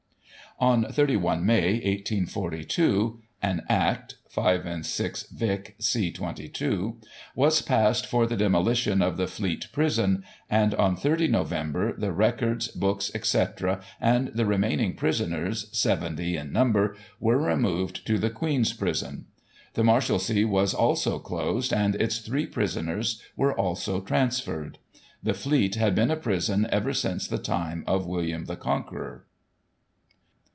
On 31 May, 1842, an Act (5 & 6 Vic, c. 22) was passed for the demolition of the Fleet prison, and on 30 Nov., the records, books, etc., and the remaining prisoners, seventy in number, were removed to the Queen's prison. The Marshal sea was also closed, and its three prisoners were also trans ferred. The Fleet had been a prison ever since the time of William the Conqueror.